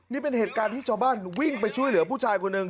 นี่เป็นเหตุการณ์ที่ชาวบ้านวิ่งไปช่วยเหลือผู้ชายคนหนึ่ง